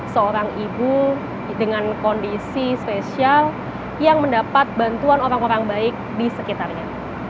seorang ibu dengan kondisi spesial yang mendapat bantuan orang orang baik di sekitarnya